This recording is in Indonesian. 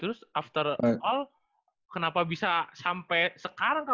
terus after all kenapa bisa sampai sekarang